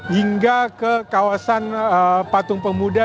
hingga ke kawasan patung pemuda